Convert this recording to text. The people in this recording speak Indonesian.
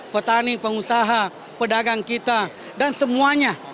petani pengusaha pedagang kita dan semuanya